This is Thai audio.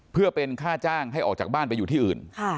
เพื่อเป็นค่าจ้างให้ออกจากบ้านไปอยู่ที่อื่น